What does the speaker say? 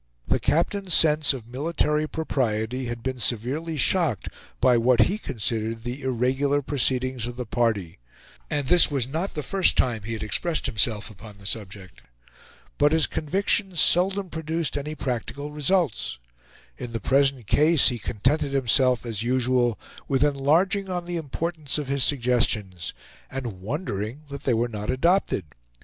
The captain's sense of military propriety had been severely shocked by what he considered the irregular proceedings of the party; and this was not the first time he had expressed himself upon the subject. But his convictions seldom produced any practical results. In the present case, he contented himself, as usual, with enlarging on the importance of his suggestions, and wondering that they were not adopted.